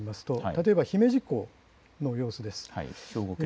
例えば姫路港の様子です。